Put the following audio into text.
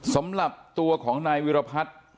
สำหรับตัวของนายวิรพัฒน์